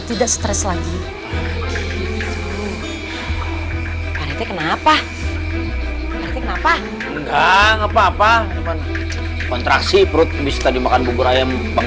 tidak stres lagi kenapa enggak apa apa kontraksi perut bisa dimakan bubur ayam